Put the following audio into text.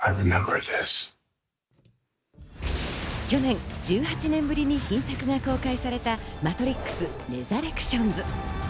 去年、１８年ぶりに新作が公開された『マトリックスレザレクションズ』。